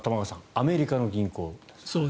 アメリカの銀行です。